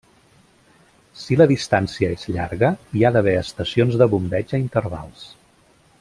Si la distància és llarga, hi ha d'haver estacions de bombeig a intervals.